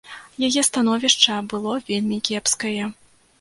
Яе становішча было вельмі кепскае.